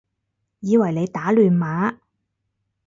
以為你打亂碼